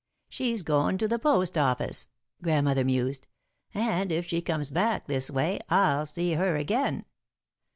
"She's goin' to the post office," Grandmother mused, "and if she comes back this way, I'll see her again.